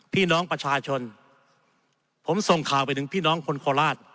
พี่น้องประชาชนผมส่งข่าวไปถึงพี่น้องคนโคราช